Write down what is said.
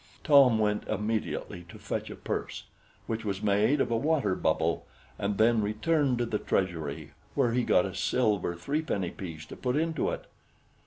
Tom went immediately to fetch a purse, which was made of a water bubble, and then returned to the treasury, where he got a silver three penny piece to put into it.